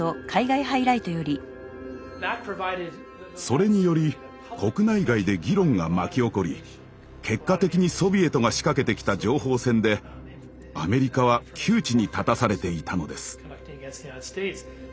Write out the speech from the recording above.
それにより国内外で議論が巻き起こり結果的にソビエトが仕掛けてきた情報戦でアメリカは窮地に立たされていたのです。